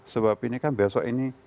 sebab ini kan besok ini